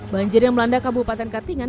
banjir yang melanda kabupaten katingan